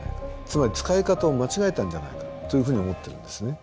つまり使い方を間違えたんじゃないかというふうに思ってるんですね。